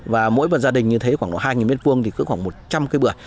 và mỗi gia đình như thế khoảng hai m hai thì có khoảng một trăm linh cây bưởi